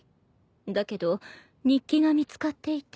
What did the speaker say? だけど日記が見つかっていて。